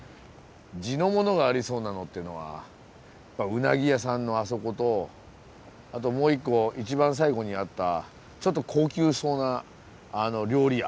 地のものがありそうなのっていうのはうなぎ屋さんのあそことあともう一個一番最後にあったちょっと高級そうな料理屋。